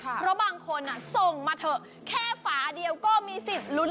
เพราะบางคนส่งมาเถอะแค่ฝาเดียวก็มีสิทธิ์ลุ้น